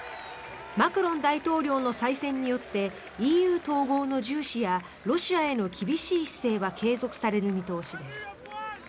マクロン大統領の再選によってＥＵ統合の重視やロシアへの厳しい姿勢は継続される見通しです。